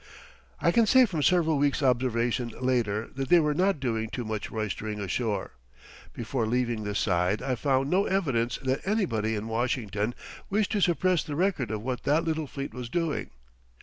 I can say from several weeks' observation later that they were not doing too much roistering ashore. Before leaving this side I found no evidence that anybody in Washington wished to suppress the record of what that little fleet was doing.